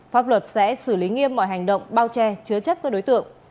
pháp luật sẽ xử lý nghiêm mọi hành động bao che chứa chấp các đối tượng